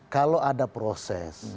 kalau ada proses